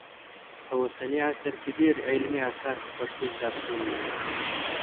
په اوسني عصر کې ډېر علمي اثار په پښتو چاپ سوي دي